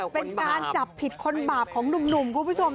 เป็นการจับผิดคนบาปของหนุ่มคุณผู้ชม